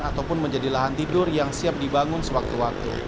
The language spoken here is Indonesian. ataupun menjadi lahan tidur yang siap dibangun sewaktu waktu